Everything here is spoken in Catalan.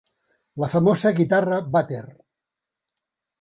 La famosa guitarra "vàter"